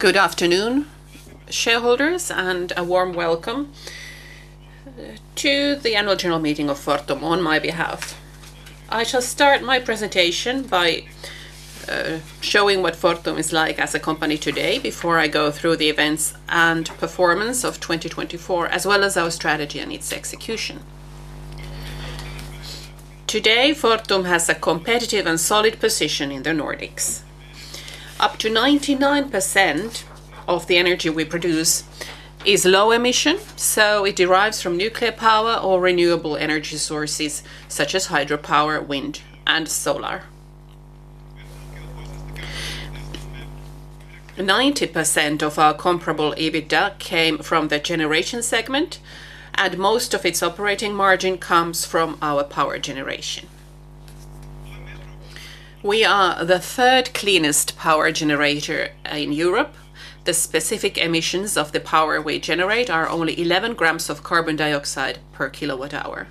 Good afternoon, shareholders, and a warm welcome to the Annual General Meeting of Fortum on my behalf. I shall start my presentation by showing what Fortum is like as a company today before I go through the events and performance of 2024, as well as our strategy and its execution. Today, Fortum has a competitive and solid position in the Nordics. Up to 99% of the energy we produce is low emission, so it derives from nuclear power or renewable energy sources such as hydropower, wind, and solar. 90% of our comparable EBITDA came from the generation segment, and most of its operating margin comes from our power generation. We are the third cleanest power generator in Europe. The specific emissions of the power we generate are only 11 grams of carbon dioxide per kilowatt hour.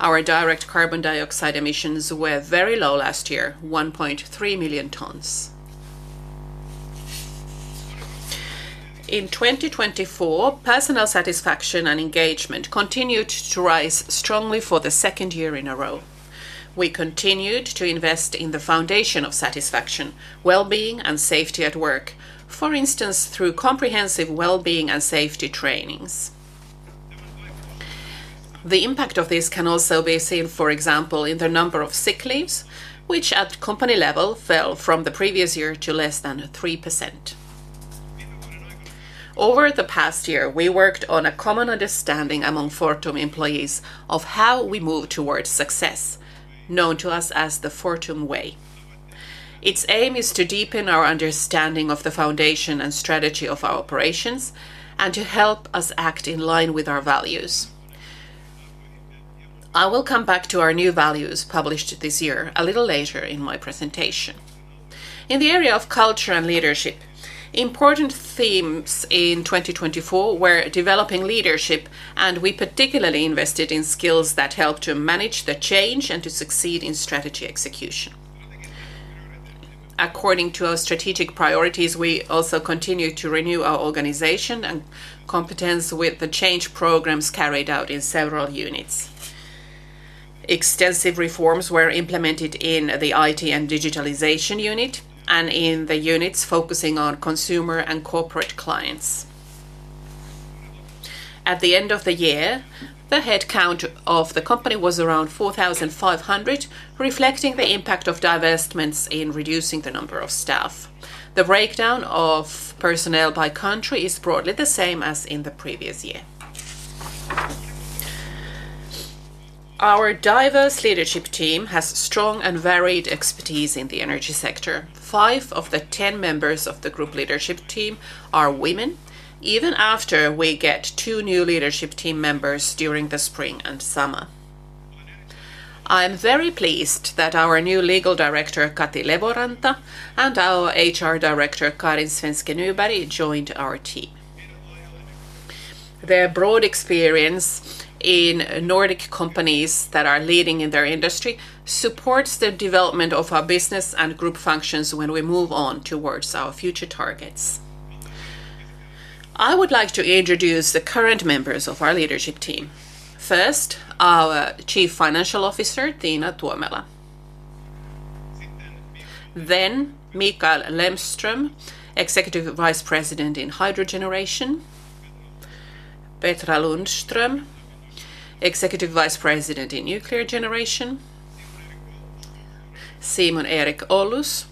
Our direct carbon dioxide emissions were very low last year, 1.3 million tons. In 2024, personal satisfaction and engagement continued to rise strongly for the second year in a row. We continued to invest in the foundation of satisfaction, well-being, and safety at work, for instance, through comprehensive well-being and safety trainings. The impact of this can also be seen, for example, in the number of sick leaves, which at company level fell from the previous year to less than 3%. Over the past year, we worked on a common understanding among Fortum employees of how we move towards success, known to us as the Fortum Way. Its aim is to deepen our understanding of the foundation and strategy of our operations and to help us act in line with our values. I will come back to our new values published this year a little later in my presentation. In the area of culture and leadership, important themes in 2024 were developing leadership, and we particularly invested in skills that help to manage the change and to succeed in strategy execution. According to our strategic priorities, we also continued to renew our organization and competence with the change programs carried out in several units. Extensive reforms were implemented in the IT and digitalization unit and in the units focusing on consumer and corporate clients. At the end of the year, the headcount of the company was around 4,500, reflecting the impact of divestments in reducing the number of staff. The breakdown of personnel by country is broadly the same as in the previous year. Our diverse leadership team has strong and varied expertise in the energy sector. Five of the 10 members of the group leadership team are women, even after we get two new leadership team members during the spring and summer. I am very pleased that our new Legal Director, Kati Levoranta, and our HR Director, Karin Svensen-Nyborg, joined our team. Their broad experience in Nordic companies that are leading in their industry supports the development of our business and group functions when we move on towards our future targets. I would like to introduce the current members of our leadership team. First, our Chief Financial Officer, Tiina Tuomela. Then, Mikael Lemström, Executive Vice President in Hydro Generation. Petra Lundström, Executive Vice President in Nuclear Generation. Simon Erik Ollus,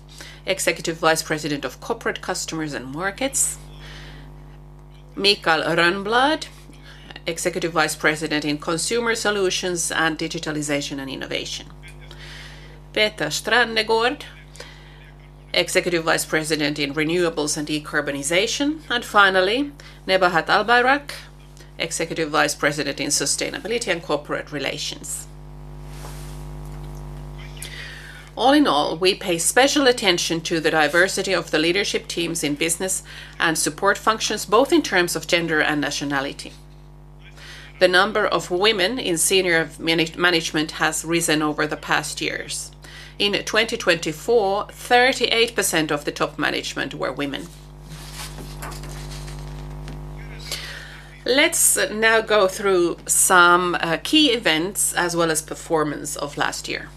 Executive Vice President of Corporate Customers and Markets. Mikael Rönnblad, Executive Vice President in Consumer Solutions and Digitalization and Innovation. Petter Strandegård, Executive Vice President in Renewables and Decarbonization. Finally, Nebahat Albayrak, Executive Vice President in Sustainability and Corporate Relations. All in all, we pay special attention to the diversity of the leadership teams in business and support functions, both in terms of gender and nationality. The number of women in senior management has risen over the past years. In 2024, 38% of the top management were women. Let's now go through some key events as well as performance of last year.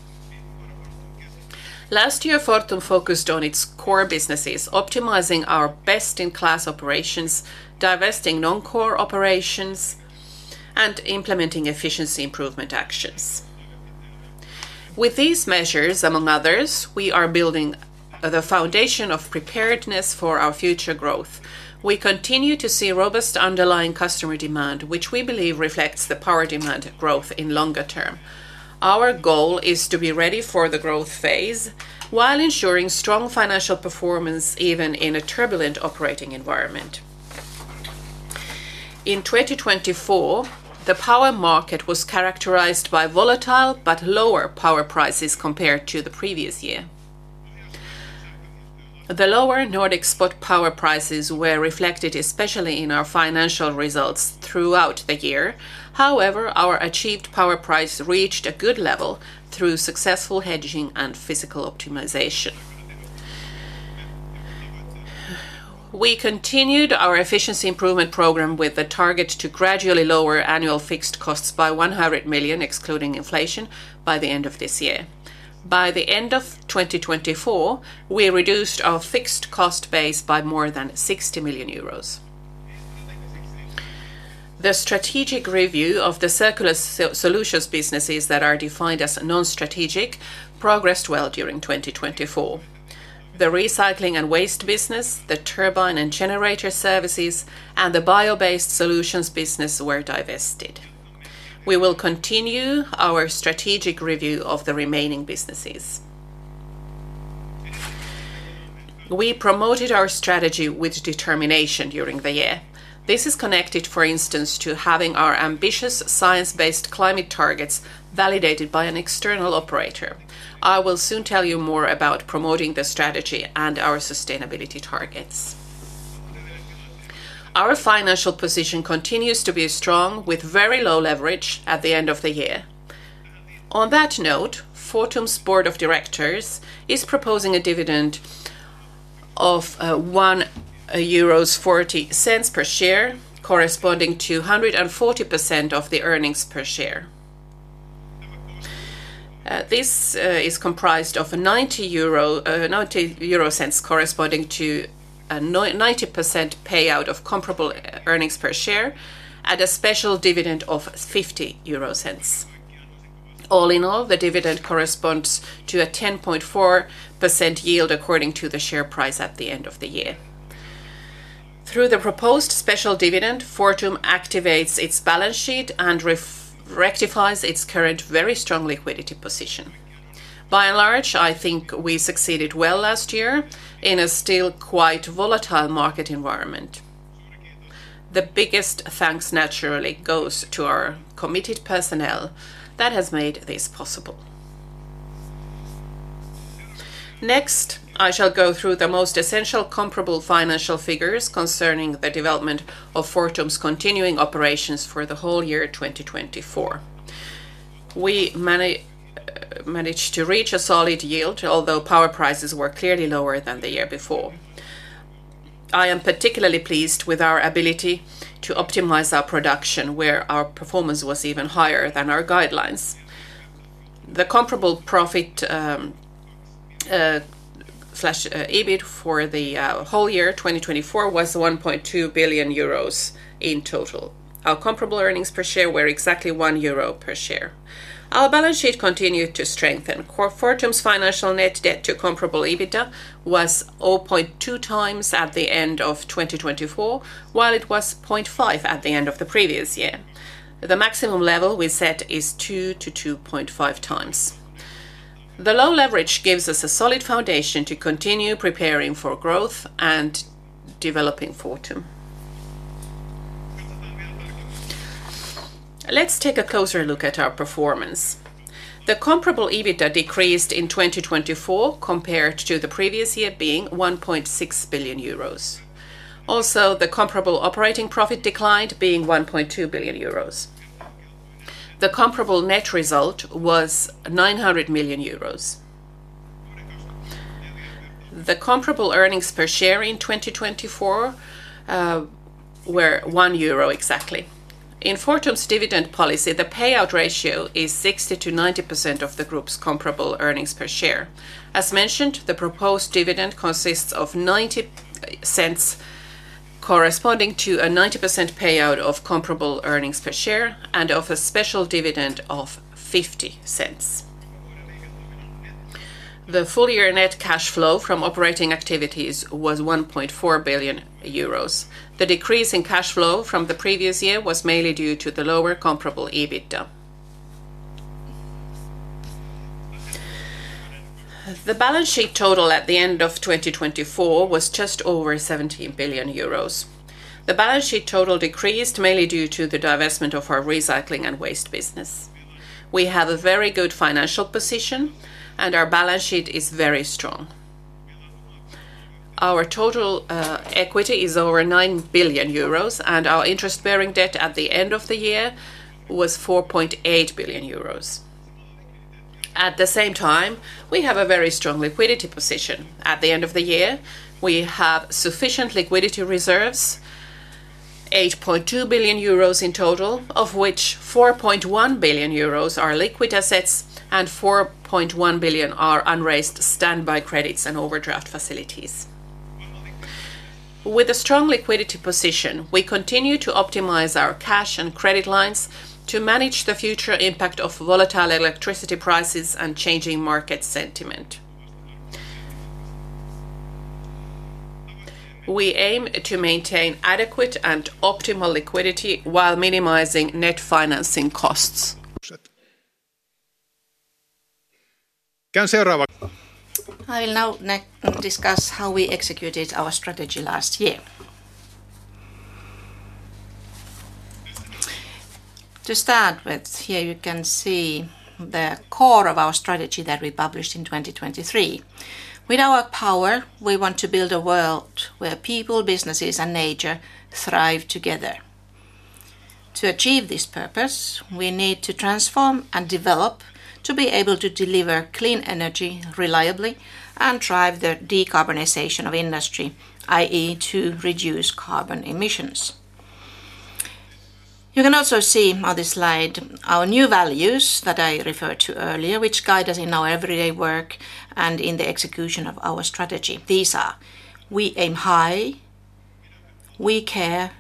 Last year, Fortum focused on its core businesses, optimizing our best-in-class operations, divesting non-core operations, and implementing efficiency improvement actions. With these measures, among others, we are building the foundation of preparedness for our future growth. We continue to see robust underlying customer demand, which we believe reflects the power demand growth in longer term. Our goal is to be ready for the growth phase while ensuring strong financial performance even in a turbulent operating environment. In 2024, the power market was characterized by volatile but lower power prices compared to the previous year. The lower Nordic spot power prices were reflected especially in our financial results throughout the year. However, our achieved power price reached a good level through successful hedging and physical optimization. We continued our efficiency improvement program with the target to gradually lower annual fixed costs by €100 million, excluding inflation, by the end of this year. By the end of 2024, we reduced our fixed cost base by more than €60 million. The strategic review of the circular solutions businesses that are defined as non-strategic progressed well during 2024. The recycling and waste business, the turbine and generator services, and the bio-based solutions business were divested. We will continue our strategic review of the remaining businesses. We promoted our strategy with determination during the year. This is connected, for instance, to having our ambitious science-based climate targets validated by an external operator. I will soon tell you more about promoting the strategy and our sustainability targets. Our financial position continues to be strong with very low leverage at the end of the year. On that note, Fortum's Board of Directors is proposing a dividend of €1.40 per share, corresponding to 140% of the earnings per share. This is comprised of €0.90 corresponding to a 90% payout of comparable earnings per share and a special dividend of €0.50. All in all, the dividend corresponds to a 10.4% yield according to the share price at the end of the year. Through the proposed special dividend, Fortum activates its balance sheet and rectifies its current very strong liquidity position. By and large, I think we succeeded well last year in a still quite volatile market environment. The biggest thanks, naturally, goes to our committed personnel that has made this possible. Next, I shall go through the most essential comparable financial figures concerning the development of Fortum's continuing operations for the whole year 2024. We managed to reach a solid yield, although power prices were clearly lower than the year before. I am particularly pleased with our ability to optimize our production, where our performance was even higher than our guidelines. The comparable profit/EBIT for the whole year 2024 was €1.2 billion in total. Our comparable earnings per share were exactly €1 per share. Our balance sheet continued to strengthen. Fortum's financial net debt to comparable EBITDA was 0.2x at the end of 2024, while it was 0.5 at the end of the previous year. The maximum level we set is 2x to 2.5x. The low leverage gives us a solid foundation to continue preparing for growth and developing Fortum. Let's take a closer look at our performance. The comparable EBITDA decreased in 2024 compared to the previous year, being €1.6 billion. Also, the comparable operating profit declined, being €1.2 billion. The comparable net result was €900 million. The comparable earnings per share in 2024 were €1 exactly. In Fortum's dividend policy, the payout ratio is 60%-90% of the group's comparable earnings per share. As mentioned, the proposed dividend consists of €0.90, corresponding to a 90% payout of comparable earnings per share, and of a special dividend of €0.50. The full-year net cash flow from operating activities was €1.4 billion. The decrease in cash flow from the previous year was mainly due to the lower comparable EBITDA. The balance sheet total at the end of 2024 was just over €17 billion. The balance sheet total decreased mainly due to the divestment of our recycling and waste business. We have a very good financial position, and our balance sheet is very strong. Our total equity is over €9 billion, and our interest-bearing debt at the end of the year was €4.8 billion. At the same time, we have a very strong liquidity position. At the end of the year, we have sufficient liquidity reserves, €8.2 billion in total, of which €4.1 billion are liquid assets and €4.1 billion are unraised standby credits and overdraft facilities. With a strong liquidity position, we continue to optimize our cash and credit lines to manage the future impact of volatile electricity prices and changing market sentiment. We aim to maintain adequate and optimal liquidity while minimizing net financing costs. I will now discuss how we executed our strategy last year. To start with, here you can see the core of our strategy that we published in 2023. With our power, we want to build a world where people, businesses, and nature thrive together. To achieve this purpose, we need to transform and develop to be able to deliver clean energy reliably and drive the decarbonization of industry, i.e., to reduce carbon emissions. You can also see on this slide our new values that I referred to earlier, which guide us in our everyday work and in the execution of our strategy. These are: we aim high, we care,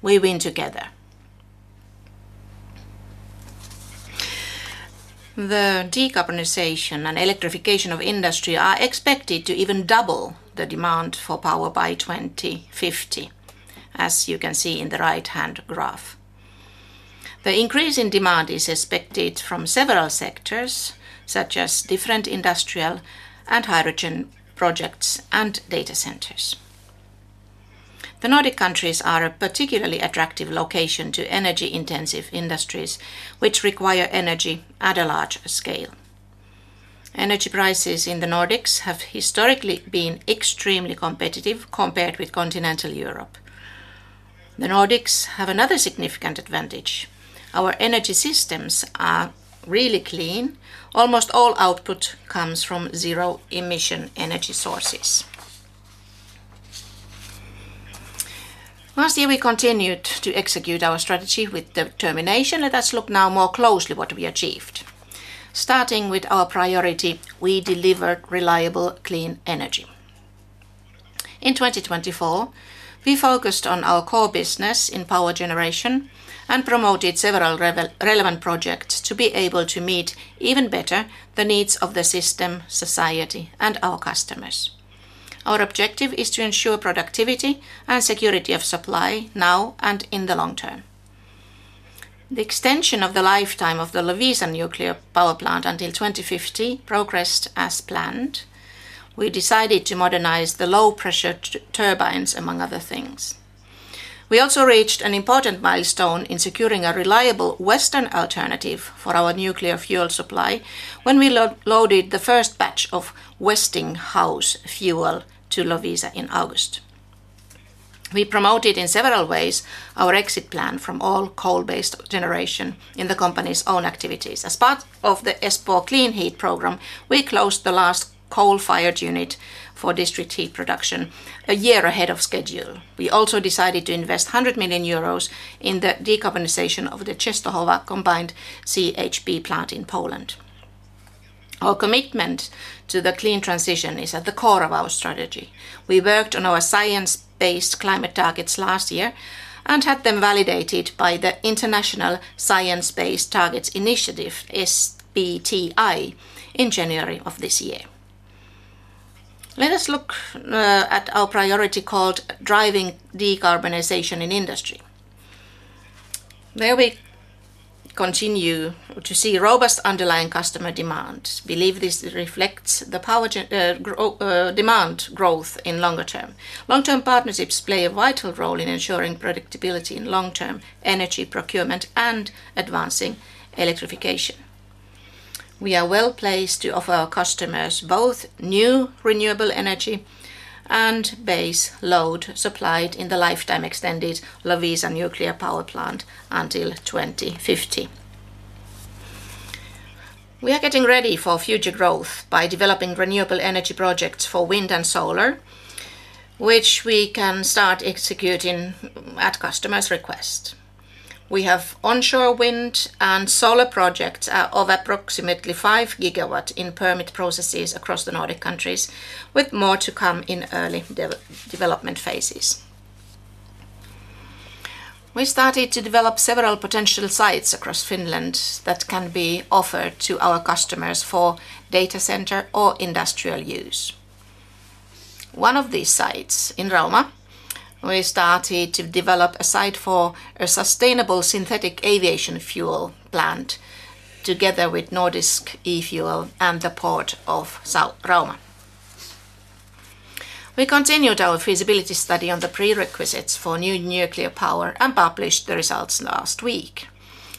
we win together. The decarbonization and electrification of industry are expected to even double the demand for power by 2050, as you can see in the right-hand graph. The increase in demand is expected from several sectors, such as different industrial and hydrogen projects and data centers. The Nordic countries are a particularly attractive location to energy-intensive industries which require energy at a large scale. Energy prices in the Nordics have historically been extremely competitive compared with continental Europe. The Nordics have another significant advantage. Our energy systems are really clean. Almost all output comes from zero-emission energy sources. Last year, we continued to execute our strategy with determination, and let's look now more closely at what we achieved. Starting with our priority, we delivered reliable, clean energy. In 2024, we focused on our core business in power generation and promoted several relevant projects to be able to meet even better the needs of the system, society, and our customers. Our objective is to ensure productivity and security of supply now and in the long term. The extension of the lifetime of the Loviisa nuclear power plant until 2050 progressed as planned. We decided to modernize the low-pressure turbines, among other things. We also reached an important milestone in securing a reliable Western alternative for our nuclear fuel supply when we loaded the first batch of Westinghouse fuel to Loviisa in August. We promoted in several ways our exit plan from all coal-based generation in the company's own activities. As part of the Espoo Clean Heat Programme, we closed the last coal-fired unit for district heat production a year ahead of schedule. We also decided to invest €100 million in the decarbonization of the Czestochowa CHP plant in Poland. Our commitment to the clean transition is at the core of our strategy. We worked on our science-based climate targets last year and had them validated by the Science-Based Targets initiative, SBTi, in January of this year. Let us look at our priority called Driving Decarbonization in Industry. There we continue to see robust underlying customer demand. We believe this reflects the power demand growth in longer term. Long-term partnerships play a vital role in ensuring predictability in long-term energy procurement and advancing electrification. We are well placed to offer our customers both new renewable energy and base load supplied in the lifetime extended Loviisa nuclear power plant until 2050. We are getting ready for future growth by developing renewable energy projects for wind and solar, which we can start executing at customers' request. We have onshore wind and solar projects of approximately 5 gigawatts in permit processes across the Nordic countries, with more to come in early development phases. We started to develop several potential sites across Finland that can be offered to our customers for data center or industrial use. One of these sites, in Rauma, we started to develop a site for a sustainable synthetic aviation fuel plant together with Nordisk E-fuel and the Port of Rauma. We continued our feasibility study on the prerequisites for new nuclear power and published the results last week.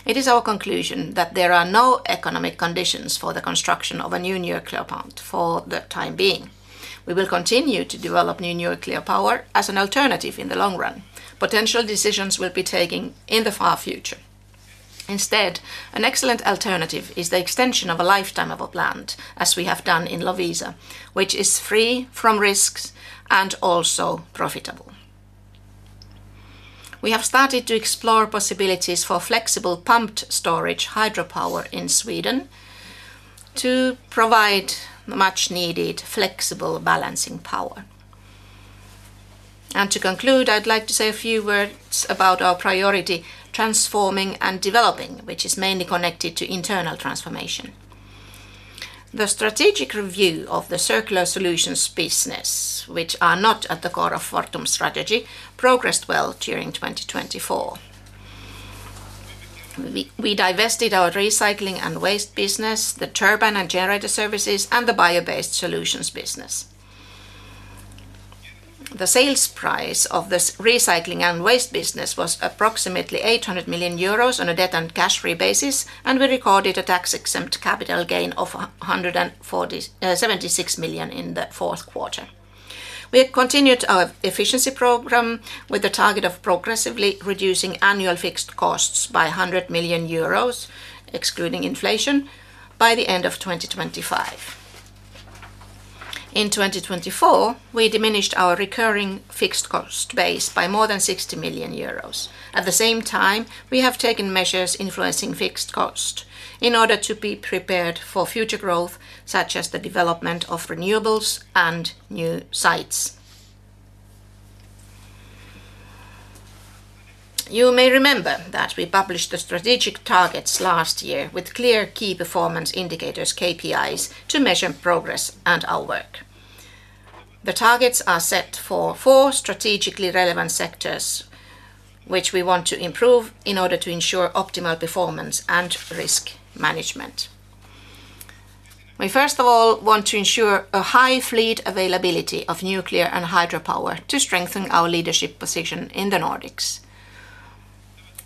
It is our conclusion that there are no economic conditions for the construction of a new nuclear plant for the time being. We will continue to develop new nuclear power as an alternative in the long run. Potential decisions will be taken in the far future. Instead, an excellent alternative is the extension of a lifetime of a plant, as we have done in Loviisa, which is free from risks and also profitable. We have started to explore possibilities for flexible pumped storage hydropower in Sweden to provide much-needed flexible balancing power. To conclude, I'd like to say a few words about our priority transforming and developing, which is mainly connected to internal transformation. The strategic review of the circular solutions business, which are not at the core of Fortum's strategy, progressed well during 2024. We divested our recycling and waste business, the turbine and generator services, and the bio-based solutions business. The sales price of the recycling and waste business was approximately €800 million on a debt and cash flow basis, and we recorded a tax-exempt capital gain of €176 million in the fourth quarter. We continued our efficiency program with the target of progressively reducing annual fixed costs by €100 million, excluding inflation, by the end of 2025. In 2024, we diminished our recurring fixed cost base by more than €60 million. At the same time, we have taken measures influencing fixed cost in order to be prepared for future growth, such as the development of renewables and new sites. You may remember that we published the strategic targets last year with clear key performance indicators, KPIs, to measure progress and our work. The targets are set for four strategically relevant sectors, which we want to improve in order to ensure optimal performance and risk management. We, first of all, want to ensure a high fleet availability of nuclear and hydropower to strengthen our leadership position in the Nordics.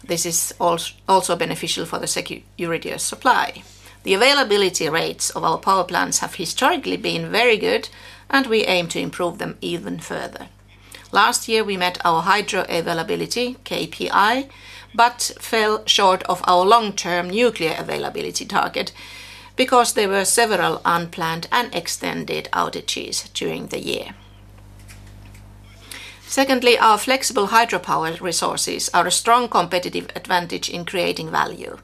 This is also beneficial for the security of supply. The availability rates of our power plants have historically been very good, and we aim to improve them even further. Last year, we met our hydro availability KPI but fell short of our long-term nuclear availability target because there were several unplanned and extended outages during the year. Secondly, our flexible hydropower resources are a strong competitive advantage in creating value.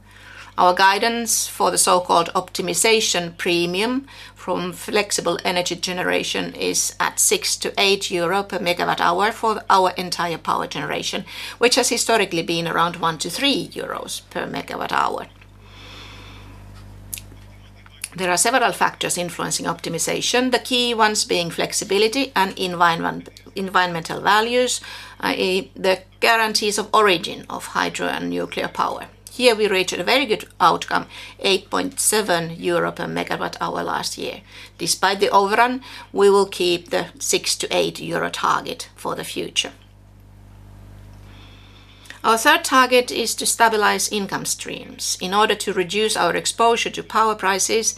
Our guidance for the so-called optimization premium from flexible energy generation is at €6 to €8 per megawatt hour for our entire power generation, which has historically been around €1 to €3 per megawatt hour. There are several factors influencing optimization, the key ones being flexibility and environmental values, i.e., the guarantees of origin of hydro and nuclear power. Here, we reached a very good outcome, €8.7 per megawatt hour last year. Despite the overrun, we will keep the €6 to €8 target for the future. Our third target is to stabilize income streams. In order to reduce our exposure to power prices,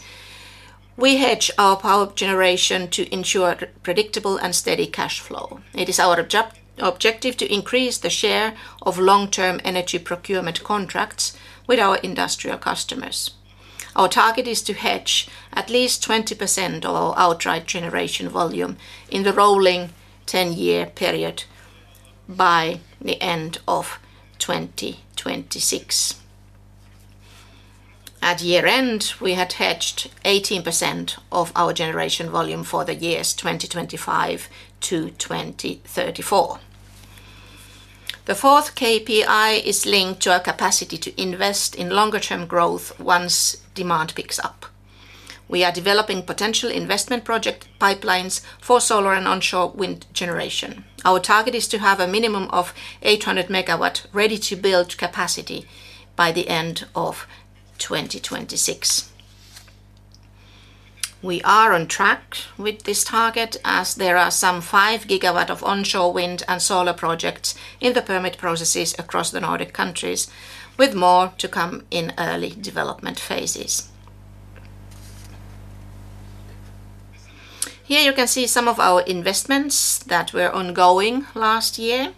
we hedge our power generation to ensure predictable and steady cash flow. It is our objective to increase the share of long-term energy procurement contracts with our industrial customers. Our target is to hedge at least 20% of our outright generation volume in the rolling 10-year period by the end of 2026. At year end, we had hedged 18% of our generation volume for the years 2025 to 2034. The fourth KPI is linked to our capacity to invest in longer-term growth once demand picks up. We are developing potential investment project pipelines for solar and onshore wind generation. Our target is to have a minimum of 800 megawatt ready-to-build capacity by the end of 2026. We are on track with this target as there are some 5 gigawatts of onshore wind and solar projects in the permit processes across the Nordic countries, with more to come in early development phases. Here you can see some of our investments that were ongoing last year.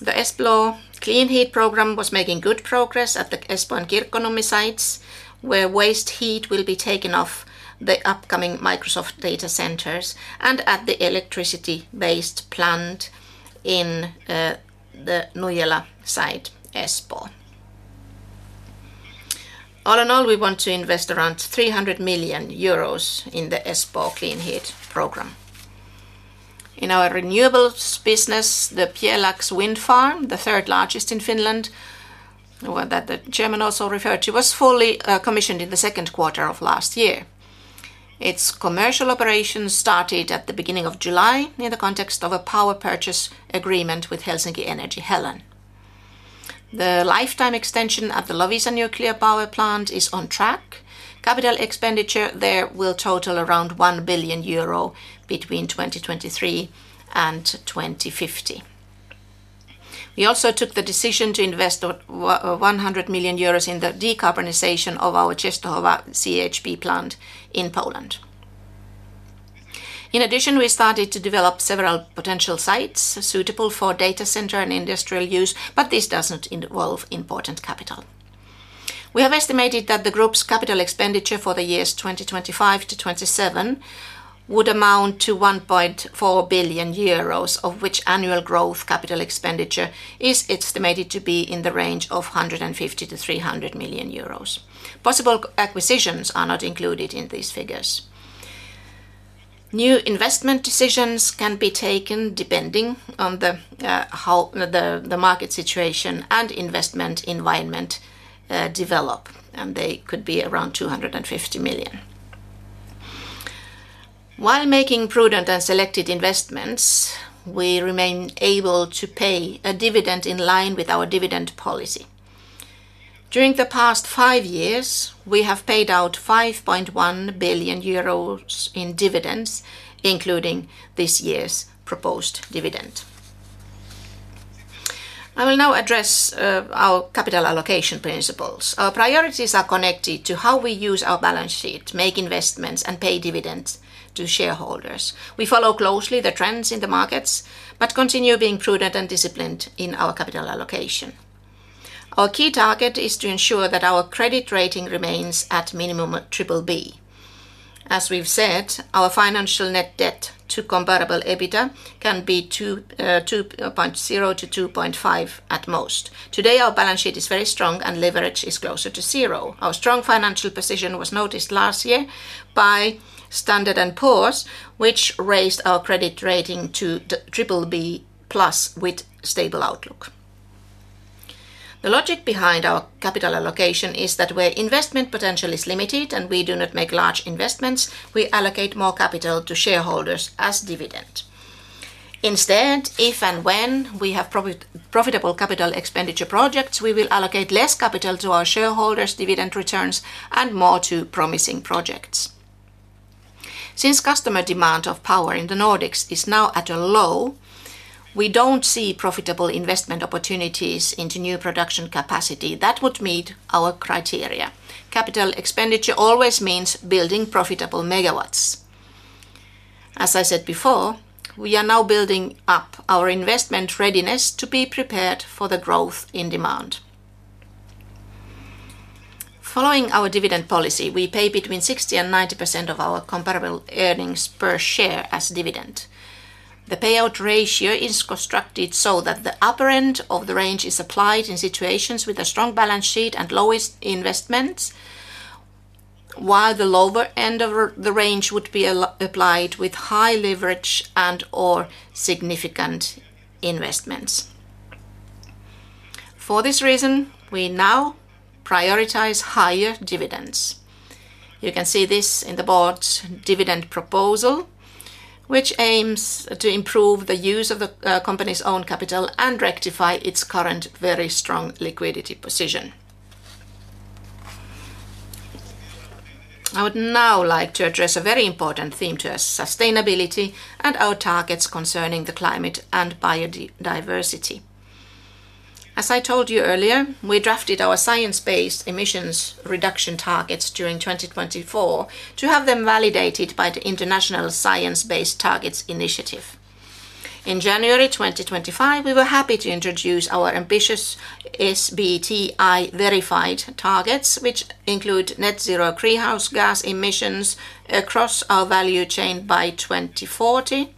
The Espoo Clean Heat Programme was making good progress at the Espoo and Kirkkonummi sites where waste heat will be taken off the upcoming Microsoft data centers and at the electricity-based plant in the Nojala site, Espoo. All in all, we want to invest around €300 million in the Espoo Clean Heat Programme. In our renewables business, the Pjelax Wind Farm, the third largest in Finland, that the Chairman also referred to, was fully commissioned in the second quarter of last year. Its commercial operations started at the beginning of July in the context of a power purchase agreement with Helsinki Energy Helen. The lifetime extension at the Loviisa nuclear power plant is on track. Capital expenditure there will total around €1 billion between 2023 and 2050. We also took the decision to invest €100 million in the decarbonization of our Czestochowa CHP plant in Poland. In addition, we started to develop several potential sites suitable for data center and industrial use, but this does not involve important capital. We have estimated that the group's capital expenditure for the years 2025 to 2027 would amount to €1.4 billion, of which annual growth capital expenditure is estimated to be in the range of €150 to €300 million. Possible acquisitions are not included in these figures. New investment decisions can be taken depending on how the market situation and investment environment develop, and they could be around €250 million. While making prudent and selected investments, we remain able to pay a dividend in line with our dividend policy. During the past five years, we have paid out €5.1 billion in dividends, including this year's proposed dividend. I will now address our capital allocation principles. Our priorities are connected to how we use our balance sheet, make investments, and pay dividends to shareholders. We follow closely the trends in the markets but continue being prudent and disciplined in our capital allocation. Our key target is to ensure that our credit rating remains at minimum triple B. As we've said, our financial net debt to comparable EBITDA can be 2.0 to 2.5 at most. Today, our balance sheet is very strong and leverage is closer to zero. Our strong financial position was noticed last year by Standard & Poor's, which raised our credit rating to triple B plus with stable outlook. The logic behind our capital allocation is that where investment potential is limited and we do not make large investments, we allocate more capital to shareholders as dividend. Instead, if and when we have profitable capital expenditure projects, we will allocate less capital to our shareholders' dividend returns and more to promising projects. Since customer demand of power in the Nordics is now at a low, we don't see profitable investment opportunities into new production capacity that would meet our criteria. Capital expenditure always means building profitable megawatts. As I said before, we are now building up our investment readiness to be prepared for the growth in demand. Following our dividend policy, we pay between 60% and 90% of our comparable earnings per share as dividend. The payout ratio is constructed so that the upper end of the range is applied in situations with a strong balance sheet and lowest investments, while the lower end of the range would be applied with high leverage and/or significant investments. For this reason, we now prioritize higher dividends. You can see this in the board's dividend proposal, which aims to improve the use of the company's own capital and rectify its current very strong liquidity position. I would now like to address a very important theme to us, sustainability and our targets concerning the climate and biodiversity. As I told you earlier, we drafted our science-based emissions reduction targets during 2024 to have them validated by the international Science-Based Targets initiative. In January 2025, we were happy to introduce our ambitious SBTi-verified targets, which include net zero greenhouse gas emissions across our value chain by 2040.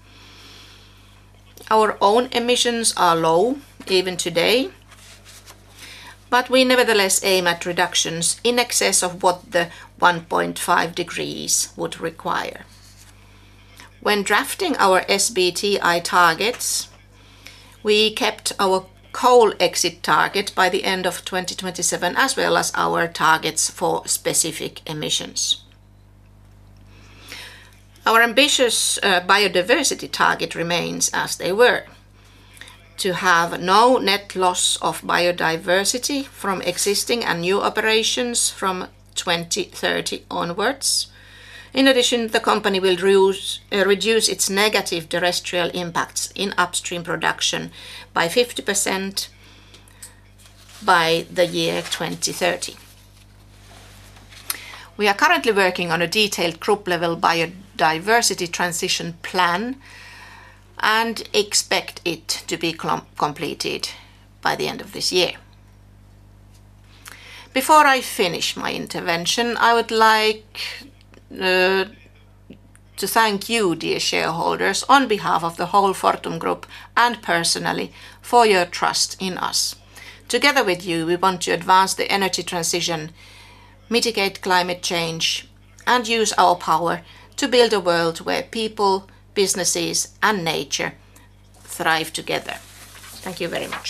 Our own emissions are low even today, but we nevertheless aim at reductions in excess of what the 1.5 degrees would require. When drafting our SBTi targets, we kept our coal exit target by the end of 2027, as well as our targets for specific emissions. Our ambitious biodiversity target remains as they were to have no net loss of biodiversity from existing and new operations from 2030 onwards. In addition, the company will reduce its negative terrestrial impacts in upstream production by 50% by the year 2030. We are currently working on a detailed group-level biodiversity transition plan and expect it to be completed by the end of this year. Before I finish my intervention, I would like to thank you, dear shareholders, on behalf of the whole Fortum Group and personally, for your trust in us. Together with you, we want to advance the energy transition, mitigate climate change, and use our power to build a world where people, businesses, and nature thrive together. Thank you very much.